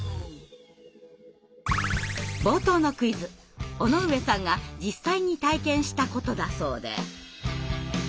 冒頭のクイズ尾上さんが実際に体験したことだそうで。